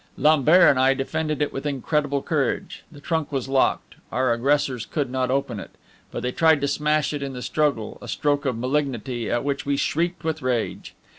Lambert and I defended it with incredible courage. The trunk was locked, our aggressors could not open it, but they tried to smash it in the struggle, a stroke of malignity at which we shrieked with rage.